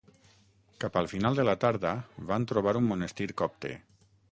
Cap al final de la tarda, van trobar un monestir copte.